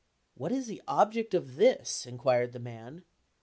"What is the object of this?" inquired the man.